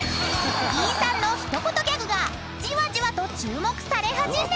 ［飯さんの一言ギャグがじわじわと注目され始め］